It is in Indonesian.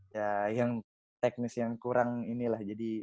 ya yang teknis yang kurang inilah